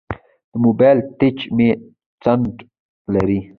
د موبایل ټچ مې ځنډ لري.